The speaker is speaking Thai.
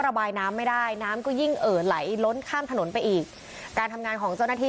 ระบายน้ำไม่ได้น้ำก็ยิ่งเอ่อไหลล้นข้ามถนนไปอีกการทำงานของเจ้าหน้าที่